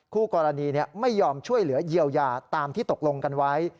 คู่กรณีไม่ยอมช่วยเหลือเยียวยาตามที่ตกลงกันไว้